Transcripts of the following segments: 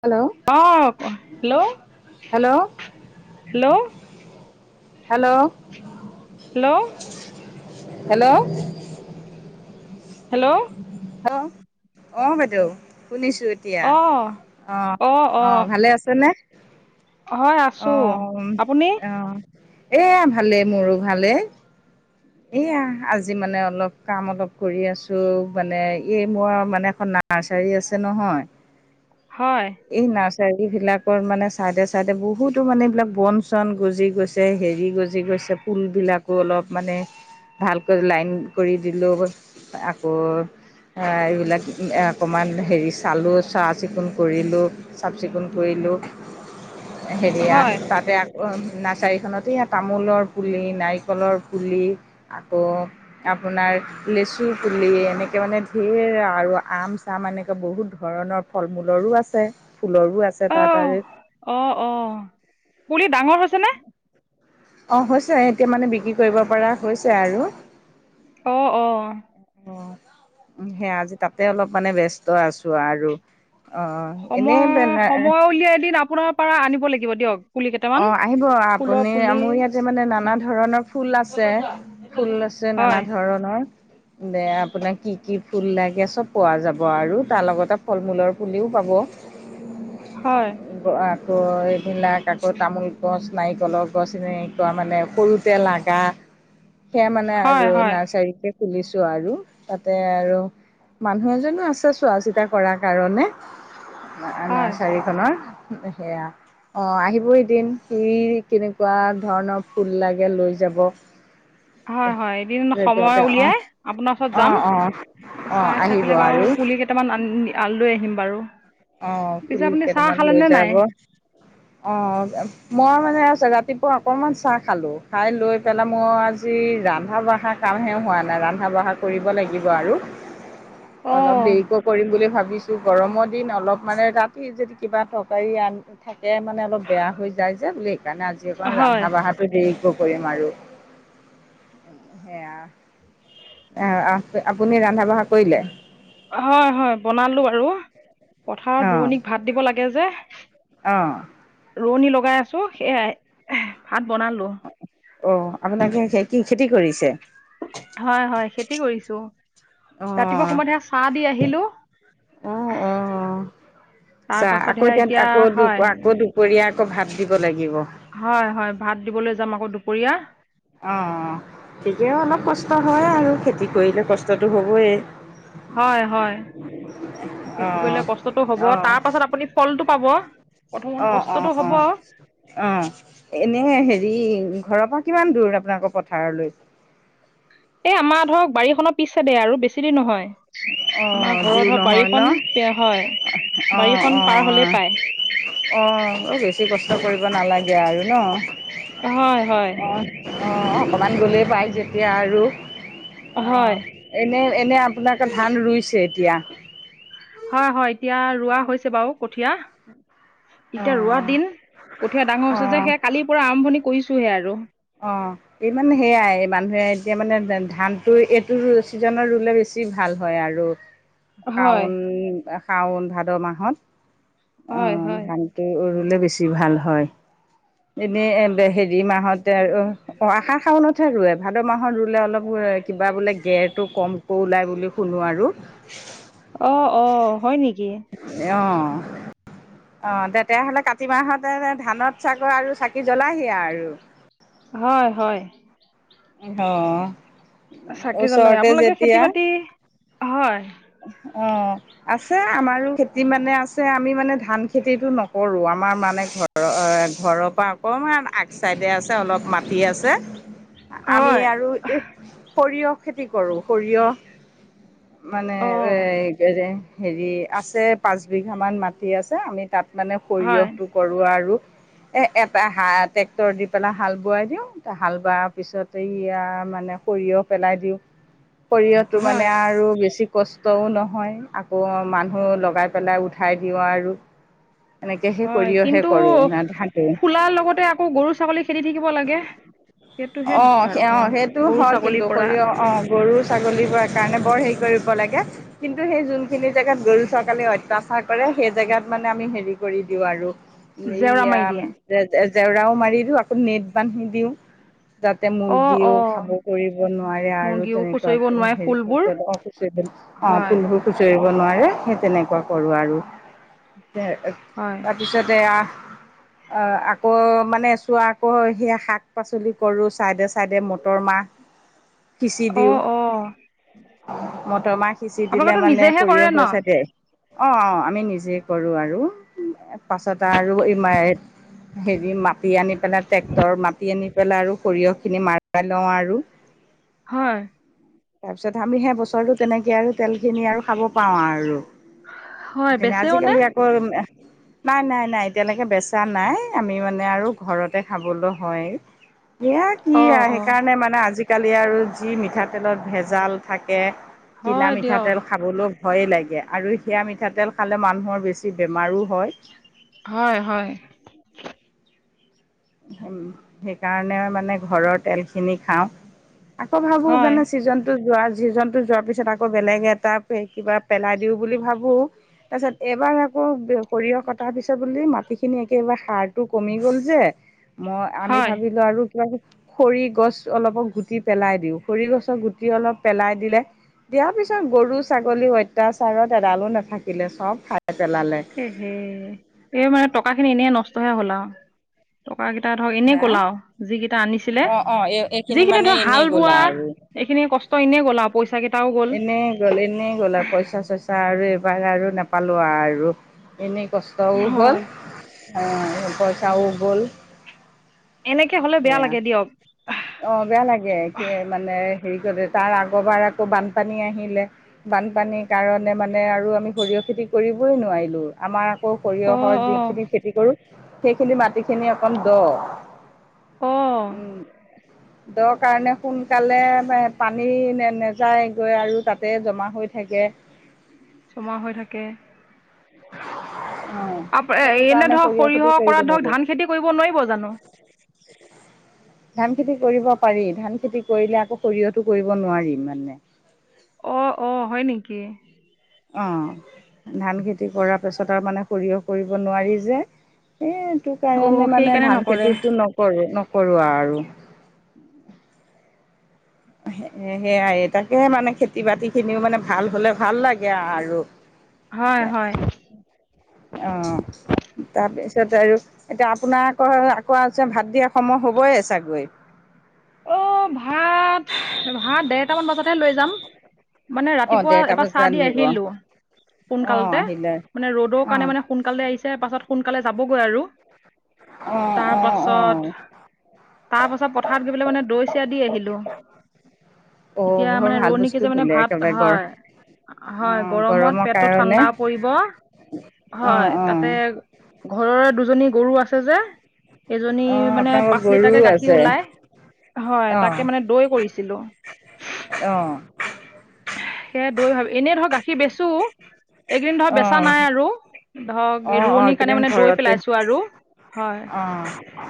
Hello, অ', hello hello. Hello hello, hello, hello, hello, hello অ বাইদেউ শুনিছো এতিয়া অ', অ অ ভালে আছেনে। হয় আছো অ আপুনি অ এয়া ভালে মোৰো ভালেই। এয়া আজি মানে অলপ কাম অলপ কৰি আছো মানে এই মোৰ মানে এখন ন নাৰ্চাৰী আছে নহয়। হয়। এই নাৰ্চাৰী বিলাকৰ মানে চাইডে চাইডে বহুতো মানে এইবিলাক বন চন গজি গৈছে। যে হেৰি গজি গৈছে ফুল বিলাকো অলপ মানে। ভালকৈ লাইন কৰি দিলোঁ আকৌ, এইবিলাক অকণমান হেৰি চালোঁ চা চিকুণ। কৰিলোঁ চাফ চিকুণ কৰিলোঁ হেৰিয়া হয় তাতে - নাৰ্চাৰীখনতে ইয়া তামোলৰ পুলি নাৰিকলৰ পুলি আকৌ, আপোনাৰ। লেচু পুলি এনেকে মানে ধেৰ আৰু আম চাম এনেকে বহুত ধৰণৰ ফল মূল। ফুলৰো আছে ফুলৰো আছে তাতাৰে। অ', অ অ পুলি ডাঙৰ হৈছেনে। অঁ হৈছে এতিয়া মানে বিক্ৰী কৰিব পৰা হৈছে আৰু অঁ অঁ, অ সেয়া আজি তাতে অলপ মানে ব্যস্ত আছো আৰু অ অ, সময় সময় উলিয়াই এদিন আপোনাৰ পৰা আনিব লাগিব দিয়ক। পুলি কেইটামান অ আহিব ফুলৰ আপুনি পুলি মোৰ ইয়াতে মানে নানা ধৰণৰ ফুল আছে ফুল যে নানা হয় ধৰণৰ। দে আপোনাক কি কি ফুল লাগে চব পোৱা যাব আৰু তাৰ লগতে ফল মূলৰ ফুলিও পাব। [inaudible] হয়। আকৌ এদিনা আকৌ তামোল গছ নাৰিকলৰ গছ এনেকুৱা মানে সৰুতে লাগা। সেয়া মানে হয় আৰু হয় নাৰ্চাৰীকে খুলিছো আৰু তাতে আৰু মানুহ এজনো আছে চোৱা চিতা কৰ কাৰণে। হয় নাৰ্চাৰীখনৰ সেয়া অ আহিব, এদিন সেই কেনেকুৱা ধৰণৰ ফুল লাগে লৈ যাব। হয় হয় এদিন সময় সিহঁতে অঁ উলিয়াই আপোনাৰ ওচৰত অঁ যাম। অঁ অঁ চাই চাই আহিব পেলাই বাৰু আৰু পুলি কেইটামান আ লৈ আহিম বাৰু অ পিছে পুলি আপুনি চাহ কেইটামান লৈ খালেনে যাব। নাই [inaudible] অ মই মানে ৰাতিপুৱা অকণমান চাহ খালো খাই লৈ পেলাই মই। আজি ৰান্ধা বাঢ়া কামহে হোৱা নাই ৰান্ধা বঢ়া কৰিব লাগিব আৰু [inaudible] অলপ অ', দেৰিকো কৰিম বুলি ভাবিছো গৰমত দিন অলপ মানে ৰাতি যদি কিবা তৰকাৰী আন থাকে মানে অলপ বেয়া হৈ যায় যে বুলি সেইকাৰণে আজি অকণ হয়, ৰান্ধা-বাঢ়াটো দেৰিকৈ কৰিম আৰু সেয়া। এ এ আপ আপুনি ৰান্ধা-বাঢ়া কৰিলে। হয় হয়, বনালো বাৰু পথাৰত অঁ ৰোৱনীক ভাত দিব লাগে যে। অঁ অ অ। ৰোৱনী লগাই আছো সেয়াই এহ্ ভাত বনালো। অ অ, আপোনাকে কি খেতি-খেতি কৰিছে? হয় হয়, খেতি কৰিছো ৰাতিপুৱা অঁ সময়ত সে চাহ দি আহিলো। অঁ আহ্ অঁ চা আকৌ এতিয়া আকৌ দু হয়, আকৌ দুপৰীয়া আকৌ ভাত দিব লাগিব। হয় হয়, ভাত দিবলৈ যাম আকৌ দুপৰীয়া। অঁ অ অ অ অ, তেতিয়া অলপ কষ্ট হয় আৰু খেতি কৰিলে কষ্টটো হ'বই। হয় হয়, খেতি অঁ কৰিলে কষ্টটো হব অঁ তাৰ পাছত আপুনি ফলটো পাব প্ৰথমতে কষ্টটো হ'ব। অঁ অ অ, এনে হেৰি ঘৰৰ পৰা কিমান দূৰ আপোনালোকৰ পথাৰলৈ। এই আমাৰ ধৰক বাৰীখনৰ পিছ চাইডে আৰু বেছি দেৰি নহয়। আমাৰ অ', ঘৰৰ দূৰ ধৰক নহয় ন? বাৰীখন দে হয় অ', বাৰীখন পাৰ হলে পায়। অ অ, বেছি কষ্ট কৰিব নালাগে আৰু ন। হয় হয়। অঁ অ অকমান গ'লেই পায় যেতিয়া আৰু হয় অঁ এনে এনে আপোনাক ধান ৰুইছে এতিয়া। হয় হয় এতিয়া ৰোৱা হৈছে বাৰু কঠিয়া। এতিয়া ৰোৱাৰ অ', দিন কঠিয়া ডাঙৰ হৈছে যে সেইয়া অ', কালিৰ পৰা আৰম্ভণি কৰিছোহে আৰু অ অ অ। ইমান মানে সেয়াই মানুহে এতিয়া মানে দা ধানটো এইটো ছিজনৰ ৰুলে বেছি ভাল হয় আৰু [inaudible] শাওণ শাওণ-ভাদ মাহত। হয় হয়। এইটো ৰুলে বেছি ভাল হয় এনেই এ হেৰি মাহতে আৰু অ, আহাৰ-শাওণ ও নথে ৰুৱে ভাদ মাহত ৰুলে অলপ ৰুলে কিবা বোলে গেৰটো কমকৈ ওলায় বুলি শুনো আৰু সি ই সু অ অ, হয় নেকি। এ অ অ অ অ। অ তেতিয়াহ'লে কাতি মাহতে যে ধানত চাক আৰু চাকি জ্বলাইহি আৰু হয় হয়। সি অ', সি, চাকি জ্বলাই ওচৰতে আপোনালোকে খেতি-বাতি, হয়। অ অ অ। আছে আমাৰো খেতি মানে আছে আমি মানে ধান খেতিটো নকৰো আমাৰ মানে ঘৰত ঘৰৰ অ এ ঘৰৰ পৰা অকমান আগচাইডে আছে অলপ মাটি আছে আমি হয় আৰু ইউ সৰিয়হ খেতি কৰোঁ সৰিয়হ। অঁ অ অ অ। এই কেইদিন হেৰি আছে পাঁচ বিঘা মান মাটি আছে আমি তাত মানে হয় সৰিয়হ কৰো আৰু এ এটা হা ট্ৰেক্টৰ দি পেলাই হাল বোৱাই দিওঁ তেতিয়া হাল বোৱাৰ পিছত এই'য়া মানে সৰিয়হ পেলাই দিওঁ [inaudible] শৰিয়হতো মানে হয় আৰু বেছি কষ্টও নহয়, আকৌ মানুহ লগাই পেলাই উঠাই দিওঁ আৰু। এনেকৈ সেই হয়, সৰিয়হে কিন্তু কৰোঁ না ধান ফুলাৰ লগতে আকৌ গৰু-ছাগলী খেদি থাকিব লাগে। সেইটোহে অঁ দিগদাৰ অ অকমান সেইটো গৰু হয় কিন্তু, ছাগলীৰ পৰা সৰিয়হ অ গৰু-ছাগলীব কাৰণে বৰ হেৰি কৰিব লাগে। কিন্তু সেই যোনখিনি জেগাত গৰু-চকালে অত্যাচাৰ কৰে সেই জেগাত মানে আমি হেৰি কৰি দিওঁ আৰু। জেওৰা এইয়া, মাৰি দিয়ে জে-জেওৰাও মাৰি দিও আকৌ নেট বান্ধি দিওঁ। যাতে অ মুৰ্গীও অ খাব কৰিব নোৱাৰে আৰু মুৰ্গীও তেনেকুৱা খুচৰিব নোৱাৰে ফুলবোৰ হে [unintelligible] অ হয় ফুলবোৰ খুচৰিব নোৱাৰে, সেই তেনেকুৱা কৰো আৰু। হয়। তাৰপিছত এয়া আকৌ মানে চোৱা আকৌ সেই শাক-পাচলি কৰো, ছাইডে-ছাইডে মটৰ-মাহ অ অ। তমাক সিঁচি দিলে আপোনালোকেতো মানে নিজেহে সৰিয়হ কৰে ন হ‌ই জাতে। অ অ আমি নিজে কৰো আৰু। পাছত আৰু হেৰি মাটি আনি পেলাই ট্ৰেক্টৰ মাটি আনি পেলাই আৰু সৰিয়হ খিনি মাৰাই লওঁ আৰু হয় তাৰ পিছত আমি সেই বছৰটো তেনেকে আৰু তেল খিনি আৰু খাব পাওঁ আৰু। হয় তেনে বেচেও নে আজি-কালি আকৌ নাই নাই নাই তেনেকে বেচা নাই, আমি মানে আৰু ঘৰতে খাবলৈ হয়। [inaudible] এয়া অ কিআ অ সেইকাৰণে মানে আজি-কালি আৰু যি মিঠাতেলত ভেজাল থাকে কিনা হয় দিয়ক মিঠাতেল খাবলো ভয়ে লাগে আৰু সেয়া মিঠাতেল খালে মানুহৰ বেছি বেমাৰো হয় হয় হয়। সেইকাৰণে মানে ঘৰৰ তেলখিনি খাওঁ। আকৌ ভাবো হয় জানে চিজন যোৱা যিজন যোৱাৰ পিছত আকৌ বেলেগ এটা কিবা পেলাই দিওঁ বুলি ভাবো তাছত এ-বাৰ আকৌ সৰিয়হ কটাৰ পিছত বূলি মাটিখিনি একেবাৰে সাৰটো কমি গল যে মই, আমি হয় ভাবিলো আৰু খৰি গছ অলপক গুটি পেলাই দিওঁ, খৰি গছৰ গুটি অলপ পেলাই দিলে দিয়াৰ পিছত গৰু-ছাগলী অত্যাচাৰত এডালো নেথাকিলে, চব খাই পেলালে। এ হে! এই মানে টকা খিনি এনেই নষ্টহে হ'ল আঔ! টকা কেইটা ধৰক এনেই হা গলাও। যিগেইটা আনিছিলে, অ অ এই এইখিনি যিখিনি মানে ধৰ এনেই হাল গ'লা বোৱা, আৰু এইখিনি কষ্ট এনেই গলাঔ পইচা গেট এনেই গ'ল, এনেই গ'ল আৰু পইচা-চইচা আৰু এইবাৰ আৰু নাপালো আৰু। এনেই কষ্টও হয় হ'ল, অ' পইচাও গ'ল। এনেকে হ'লে বেয়া লাগে দিয়ক! অঁ বেয়া লাগে! মানে হেৰি কতে তাৰ আগবাৰ আকৌ বানপানী আহিলে বানপানীৰ কাৰণে মানে আৰু আমি সৰিয়হ খেতি কৰিবই নোৱাৰিলো, আমাৰ কৌ অ সৰিয়হৰ অ যিখিনি খেতি কৰো, সেইখিনি মাটি খিনি অকণ দ' অ উম' [inaudible] সেইটো কাৰণে সোনকালে পানী নে নেযায় গৈ আৰু তাতে জমা হৈ থাকে। জমা হৈ থাকে। অ', আপ এ সেইটো এনে কাৰণে ধৰক খেতি সৰিয়হ কৰিব কৰাত ধৰক নোৱাৰিলো। ধান খেতি কৰিব নোৱাৰিব জানো? ধান খেতি কৰিব পাৰি ধান খেতি কৰিলে আকৌ সৰিয়হতো কৰিব নোৱাৰিম মানে। অ অ হয় নেকি। অহ। ধান খেতি কৰাৰ পাছত আৰু মানে সৰিয়হ কৰিব নোৱাৰি যে এই টো অ', কাৰণে মানে সেইকাৰণে ধান নকৰে খেতিটো নকৰো -নকৰো আৰু। সেয়াই তাকেহে মানে খেতি বাতি খিনিও মানে ভাল হলে ভাল লাগে আৰু। হয়, হয়। অঁহ। তাৰপিছত আৰু এতিয়া আপোনাৰ আকৌ আকৌ ভাত দিয়া সময় হ'বই চাগৈ! অ ভাত ভাত দেৰটামান বজাতহে লৈ যাম। মানে অ', ৰাতিপুৱা দেৰটা এবাৰ চাহ বজাত দি নিব আহিলো অ', সোনকালতে আহিলে মানে ৰ'দৰ কাৰণে অ'। মানে সোনকালে আহিছে পাছত সোনকালে যাবগৈ আৰু। অ', তাৰ অ', অ'। পাছত তাৰ পাছত পথাৰত গৈ মানে দৈ চিয়া দি আহিলো। অ', এতিয়া বৰ মানে ভাল ৰোৱনী বস্তু কেইজনী মানে দিলে ভাত একেবাৰে গৰ হয় হয় অ', গৰমত গৰমৰ পেটো কাৰণে। ঠাণ্ডা পৰিব অ হয় অ। তাতে ঘৰৰে দুজনী গৰু আছে যে এজনীৰ অ', মানে আপোনালোকৰ পাঁচ লিটাৰকে গৰুও গাখীৰ আছে? ওলাই হয় তাকে মানে দৈ কৰিছিলো। অহ সেয়া দৈ হল এনেই ধৰক গাখীৰ বেচো। এইকেইদিন ধৰক বেচা অ', নাই আৰু ধৰক ৰোৱনিৰ কাৰণে মানে দৈ পেলাইছো আৰু। হয় অহ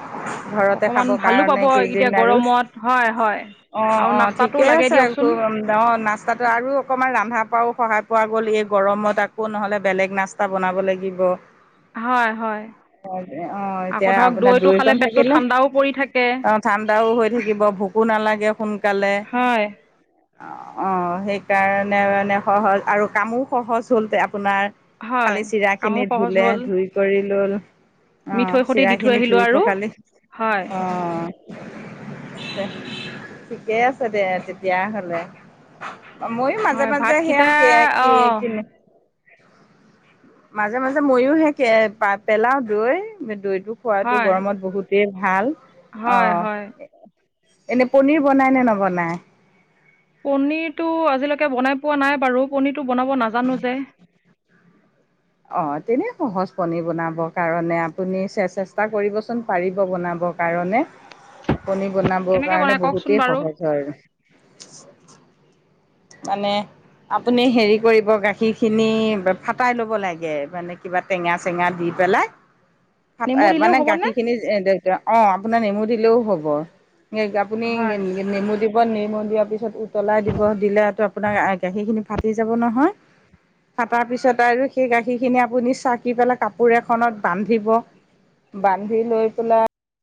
ঘৰতে অকমান খাব ভালো পাব কাৰণে এতিয়া এইকেইদিন আৰু গৰমত হয় হয় অ আৰু অ নাস্তাটো ঠিকে লাগে আছে দিয়কচোন অহ নাস্তাটো আৰু অকণমান ৰান্ধা পৰাও সহায় পোৱা গ'ল এই গৰমত আকৌ নহ'লে বেলেগ না ষ্টা বনাব লাগিব হয় হয়। অ', অ', আকৌ এতিয়া ধৰক আপোনাৰ দৈটো খালে দৈকণ পেটটো থাকিলে ঠাণ্ডাও পৰি থাকে অ', ঠাণ্ডাও হৈ থাকিব ভোকো হয় অ অ সেইকাৰণে মানে সহজ আৰু কামো সহজ হল আপোনাৰ হয় খালি চিৰা কামো খিনি সহজ ধুলে হ'ল ধুই কৰি লল অ মিঠৈ সৈতে দি থৈ চিৰাখিনি আহিলো ধুই আৰু পখালি হয় অ ঠিকেইে আছে দে তেতিয়া হলে। মইও হয় মাজে-মাজে ভাতকেইটা অঁ মাজে মাজে মইও সে পেলাও দৈ দৈ টো খোৱাটো হয় গৰমত বহুতেই ভাল অ হয় হয় এনেই পনীৰ বনায় নে নবনায়? পনিৰটো আজিলৈকে বনাই পোৱা নাই বাৰু পনিৰটো বনাব নাজানো যে অঁ তেনে সহজ পনীৰ বনাব কাৰণে আপুনি চেষ্টা কৰিব চোন পাৰিব বনাব। কাৰণে [inaudible] পনীৰ বনাবৰ কেনেকে কাৰণে বনাই কওকচোন বহুতেই বাৰু সহজ হয় আৰু। মানে আপুনি হেৰি কৰিব গাখীৰ খিনি ফাটাই ল'ব লাগে মানে কিবা টেঙা চেঙা দি পেলায় [inaudible] ফাতে মানে দিলেও গাখীৰ হ'বনে খিনি [unintelligible] অ আপোনাৰ নেমু দিলেও হ'ব এই গা আপুনি হয় নে নে নেমু দিব নেমু দিয়াৰ পিছত উতলাই দিব, দিলে ত আপোনাৰ গাখীৰখিনি ফাটি ফাতি যাব নহয় ফাটাৰ পিছত আৰু সেই গাখীৰ খিনি আপুনি চাকি পেলাই কাপোৰ এখনত বান্ধিব বান্ধি লৈ পেলাই